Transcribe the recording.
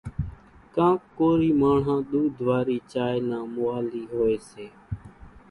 ڪانڪ ڪورِي ماڻۿان ۮوڌ وارِي چائيَ نان موالِي هوئيَ سي۔